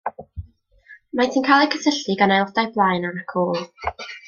Maent yn cael eu cysylltu gan aelodau blaen ac ôl.